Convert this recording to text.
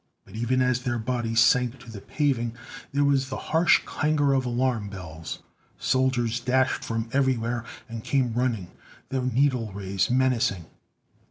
But even as their bodies sank to the paving there was the harsh clangor of alarm bells. Soldiers dashed from everywhere and came running, their needle rays menacing.